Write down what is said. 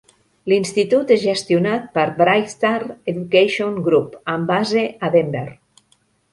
L'institut és gestionat per BrightStar Education Group, amb base a Denver.